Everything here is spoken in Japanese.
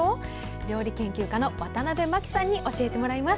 料理研究家のワタナベマキさんに教えてもらいます。